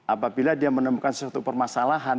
apabila dia menemukan suatu permasalahan